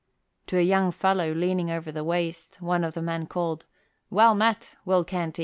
To a young fellow leaning over the waist one of the men called, "Well met, Will Canty!"